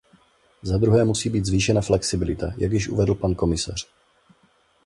Zadruhé musí být zvýšena flexibilita, jak již uvedl pan komisař.